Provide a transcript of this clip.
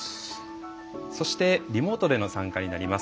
そして、リモートでの参加になります。